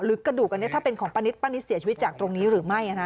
กระดูกอันนี้ถ้าเป็นของป้านิตป้านิตเสียชีวิตจากตรงนี้หรือไม่